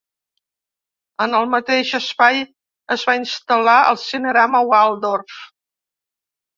En el mateix espai es va instal·lar el cinerama Waldorf.